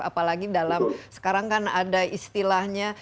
apalagi dalam sekarang kan ada istilahnya